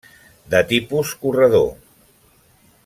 De tipus corredor.